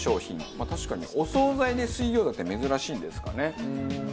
まあ確かにお惣菜で水餃子って珍しいんですかね。